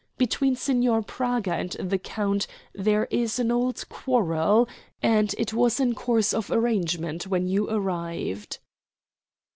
Between Signor Praga and the count there is an old quarrel, and it was in course of arrangement when you arrived."